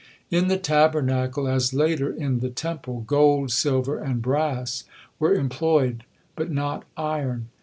In the Tabernacle, as later in the Temple, gold, silver, and brass were employed, but not iron.